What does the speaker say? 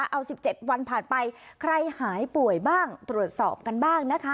เอา๑๗วันผ่านไปใครหายป่วยบ้างตรวจสอบกันบ้างนะคะ